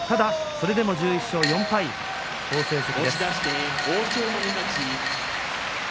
それでも１１勝４敗の好成績です。